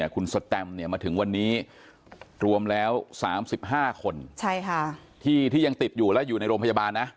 คุณสแตมมาถึงวันนี้รวมแล้ว๓๕คนที่ยังติดอยู่และอยู่ในโรงพยาบาลนะ